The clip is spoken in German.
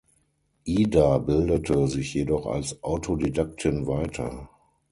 Ida bildete sich jedoch als Autodidaktin weiter.